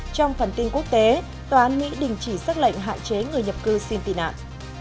trong phần tin quốc tế tòa án mỹ đình chỉ xác lệnh hạn chế người nhập cư xin tị nạn